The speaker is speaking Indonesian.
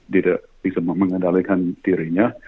tidak bisa mengendalikan dirinya